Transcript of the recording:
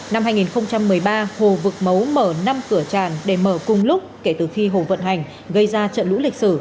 năm hai nghìn một mươi ba hồ vực mấu mở năm cửa tràn để mở cùng lúc kể từ khi hồ vận hành gây ra trận lũ lịch sử